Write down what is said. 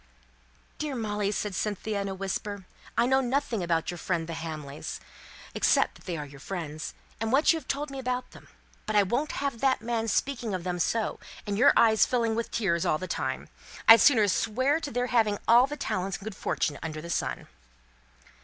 "Dear Molly," said Cynthia, in a whisper, "I know nothing about your friends the Hamleys, except that they are your friends, and what you have told me about them. But I won't have that man speaking of them so and your eyes filling with tears all the time. I'd sooner swear to their having all the talents and good fortune under the sun."